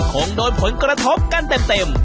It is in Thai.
คงโดนผลกระทบกันเต็ม